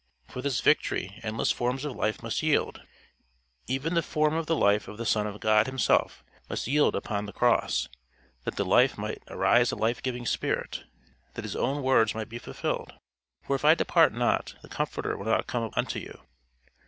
For this victory endless forms of life must yield; even the form of the life of the Son of God himself must yield upon the cross, that the life might arise a life giving spirit; that his own words might be fulfilled "For if I depart not, the Comforter will not come unto you."